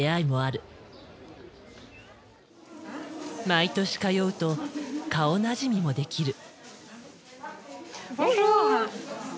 毎年通うと顔なじみもできる。